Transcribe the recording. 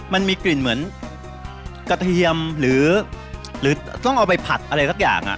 มันมีกลิ่นเหมือนกระเทียมหรือต้องเอาไปผัดอะไรสักอย่าง